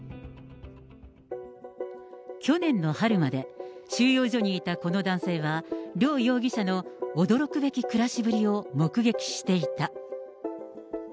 去年の春まで収容所にいたこの男性は、両容疑者の驚くべき暮らしぶりを目撃していた。